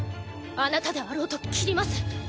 あなたであろうと斬ります